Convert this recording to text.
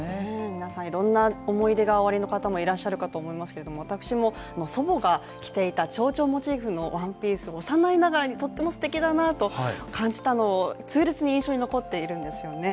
皆さんいろんな思い出がおありの方もいらっしゃると思いますけれども私も祖母が来ていた蝶々モチーフのワンピース幼いながらにとってもすてきだなと感じたのを、痛烈に印象に残っているんですよね。